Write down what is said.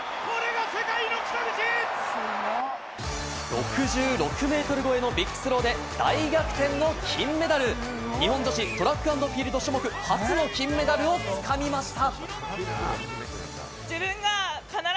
６６ｍ超えのビッグスローで、大逆転の金メダル！日本女子トラック＆フィールド種目初の金メダルをつかみました！